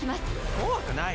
怖くない。